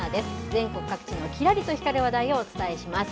全国各地のきらりと光る話題をお伝えします。